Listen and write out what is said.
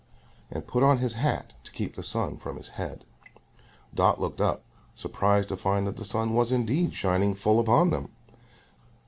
and put on his hat to keep the sun from his head. Dot looked up, surprised to find that the sun was indeed shining full upon them.